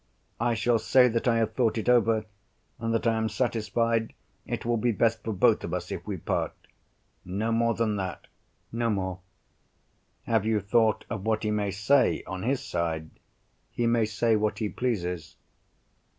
"I shall say that I have thought it over, and that I am satisfied it will be best for both of us if we part. "No more than that?" "No more." "Have you thought of what he may say, on his side?" "He may say what he pleases."